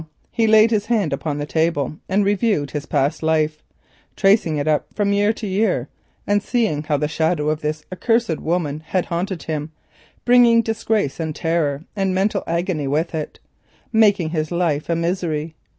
He laid his hand upon the table and reviewed his past life—tracing it from year to year, and seeing how the shadow of this accursed woman had haunted him, bringing disgrace and terror and mental agony with it—making his life a misery.